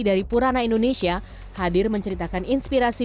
dari purana indonesia hadir menceritakan inspirasi